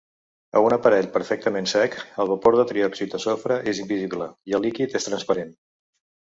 A un aparell perfectament sec, el vapor de triòxid de sofre és invisible i el liquid és transparent.